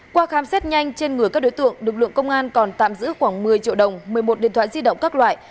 qua khám xét nhanh trên người các đối tượng lực lượng công an còn tạm giữ khoảng một mươi triệu đồng một mươi một điện thoại di động các loại